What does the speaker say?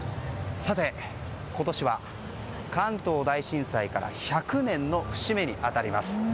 今年は関東大震災から１００年の節目に当たります。